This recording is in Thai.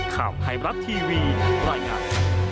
ข่าวไทยมรัฐทีวีรายงาน